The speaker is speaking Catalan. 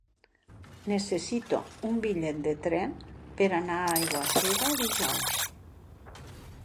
Necessito un bitllet de tren per anar a Aiguafreda dijous.